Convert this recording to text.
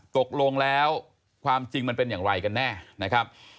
ตกลงแล้วความจริงมันเป็นอย่างไรกันแน่นะครับ